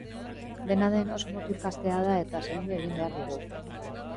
Dena den, oso mutil gaztea da eta zaindu egin behar dugu.